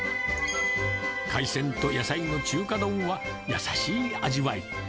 海鮮と野菜の中華丼は優しい味わい。